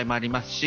し